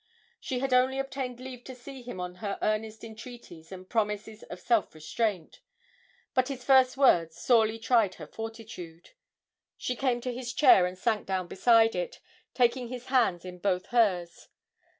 She had only obtained leave to see him on her earnest entreaties and promises of self restraint, but his first words sorely tried her fortitude; she came to his chair and sank down beside it, taking his hands in both hers.